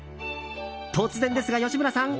突然ですが、吉村さん。